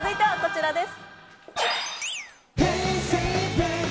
続いてはこちらです。